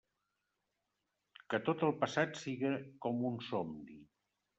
Que tot el passat siga com un somni.